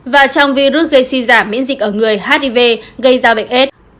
và trong virus gây suy giảm miễn dịch ở người hiv gây ra bệnh s